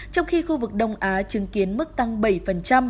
trong khi khu vực đông á chứng kiến mức tăng kỷ lục